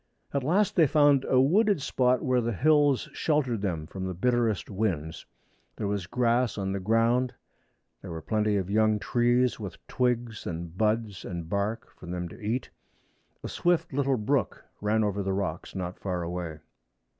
At last they found a wooded spot where the hills sheltered them from the bitterest winds. There was grass on the ground. There were plenty of young trees with twigs and buds and bark for them to eat. A swift little brook ran over the rocks not far away.